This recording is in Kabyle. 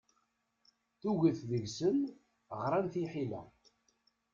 Tuget deg-sen ɣṛan tiḥila.